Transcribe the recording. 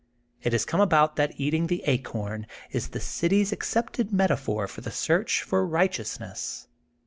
It has come about that eating the acorn, is the city's accepted metaphor for the search for right eousness.